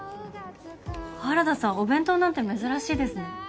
原田さんお弁当なんて珍しいですね。